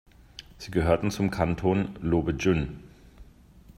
Sie gehörten zum Kanton Löbejün.